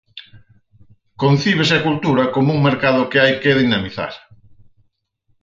Concíbese a cultura como un mercado que hai que dinamizar.